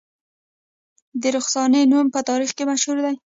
د رخسانې نوم په تاریخ کې مشهور دی